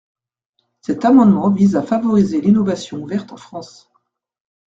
Cet amendement vise à favoriser l’innovation ouverte en France.